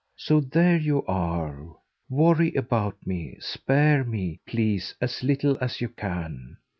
So there you are; worry about me, spare me, please, as little as you can.